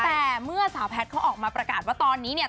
แต่เมื่อสาวแพทย์เขาออกมาประกาศว่าตอนนี้เนี่ย